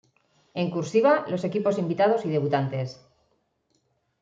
En "cursiva" los equipos invitados y debutantes.